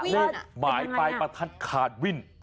เลขหมายปลายประทัดขาดวิ่น